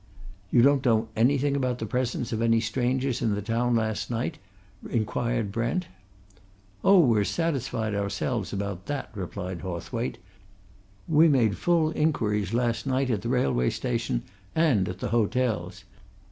"You don't know anything about the presence of any strangers in the town last night?" inquired Brent. "Oh, we've satisfied ourselves about that," replied Hawthwaite. "We made full inquiries last night at the railway station and at the hotels.